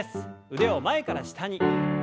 腕を前から下に。